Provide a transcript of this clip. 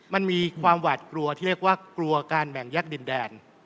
มันมีความหวาดกลัวที่เรียกว่ากลัวการแบ่งแยกดินแดน